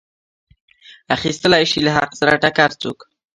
اخیستلی شي له حق سره ټکر څوک.